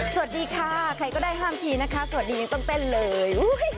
สวัสดีค่ะใครก็ได้ห้ามทีนะคะสวัสดียังต้องเต้นเลย